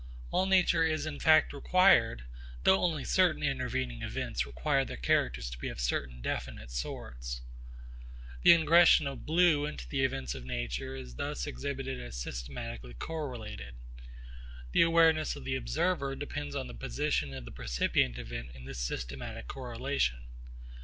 All nature is in fact required, though only certain intervening events require their characters to be of certain definite sorts. The ingression of blue into the events of nature is thus exhibited as systematically correlated. The awareness of the observer depends on the position of the percipient event in this systematic correlation.